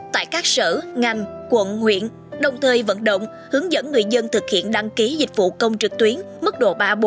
tại các sở ngành quận huyện đồng thời vận động hướng dẫn người dân thực hiện đăng ký dịch vụ công trực tuyến mức độ ba bốn